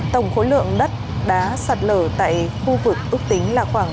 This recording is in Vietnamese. tổng khối lượng đất đã sạt lở tại khu vực ước tính là khối lượng đất